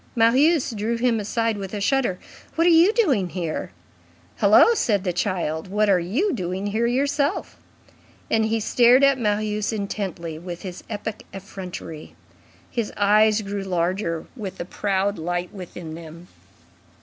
Marius drew him aside with a shudder. "What are you doing here?" "Hullo!" said the child, "what are you doing here yourself?" And he stared at Marius intently with his epic effrontery. His eyes grew larger with the proud light within them.